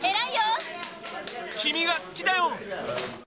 君が好きだよ。